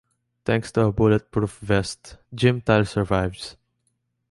Thanks to a bulletproof vest, Jim Tile survives.